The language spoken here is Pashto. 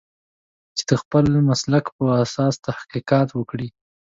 چې د خپل مسلک په اساس تحقیقات وکړي.